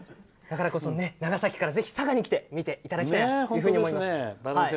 長崎からぜひ佐賀に来て見ていただきたいと思います。